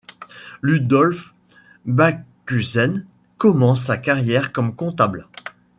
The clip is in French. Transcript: Ludolf Bakhuizen commence sa carrière comme comptable.